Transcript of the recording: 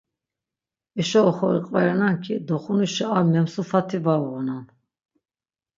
Eşo oxori qverenan ki doxunuşi ar memsufati var uğunan.